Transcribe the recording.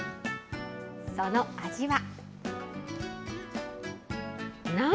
その味は。